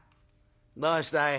「どうしたい？